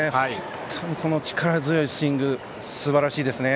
本当に力強いスイングすばらしいですね。